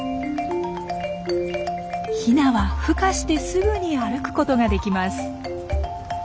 ヒナはふ化してすぐに歩くことができます。